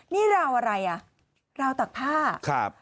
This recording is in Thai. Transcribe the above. นี่ราวอะไรอ่ะราวตักผ้าครับ